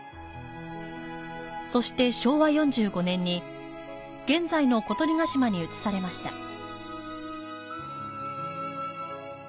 そして昭和４５年に現在の小鳥が島に移されました。